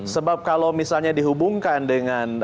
sebab kalau misalnya dihubungkan dengan